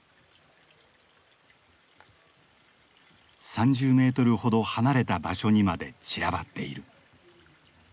３０メートルほど離れた場所にまで散らばっている。